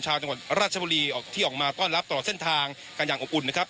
ชาวจังหวัดราชบุรีออกที่ออกมาต้อนรับตลอดเส้นทางกันอย่างอบอุ่นนะครับ